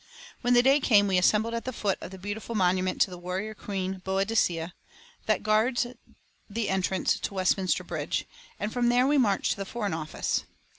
When the day came we assembled at the foot of the beautiful monument to the warrior queen, Boadicea, that guards the entrance to Westminster Bridge, and from there we marched to the Foreign Office.